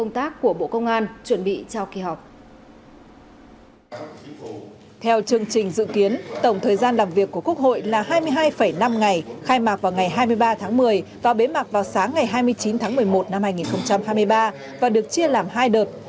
theo chương trình dự kiến tổng thời gian làm việc của quốc hội là hai mươi hai năm ngày khai mạc vào ngày hai mươi ba tháng một mươi và bế mạc vào sáng ngày hai mươi chín tháng một mươi một năm hai nghìn hai mươi ba và được chia làm hai đợt